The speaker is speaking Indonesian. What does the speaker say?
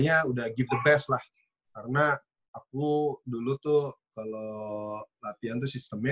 gak ada wapensep apa apa nggak ada kumpulan kita di vit sdr ya